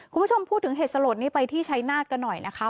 คุณผู้ชมพูดถึงเหตุสลดนี้ไปที่ชัยนาธกันหน่อยนะคะ